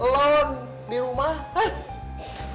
lon di rumah heh